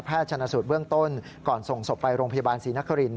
ชนะสูตรเบื้องต้นก่อนส่งศพไปโรงพยาบาลศรีนคริน